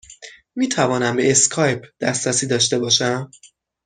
می توانم به اسکایپ دسترسی داشته باشم؟